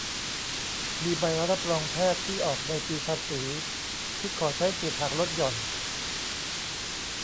มีใบรับรองแพทย์ที่ออกในปีภาษีที่ขอใช้สิทธิ์หักลดหย่อน